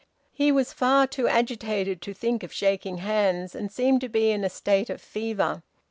He was far too agitated to think of shaking hands, and seemed to be in a state of fever.